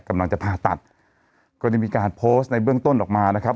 กำลังจะผ่าตัดก็ได้มีการโพสต์ในเบื้องต้นออกมานะครับ